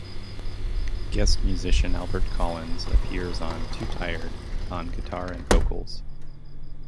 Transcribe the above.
Guest musician Albert Collins appears on "Too Tired" on guitar and vocals.